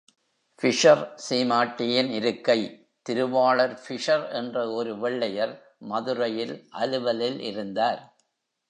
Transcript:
Fisher சீமாட்டியின் இருக்கை திருவாளர் Fisher என்ற ஒரு வெள்ளையர் மதுரையில் அலுவலில் இருந்தார்.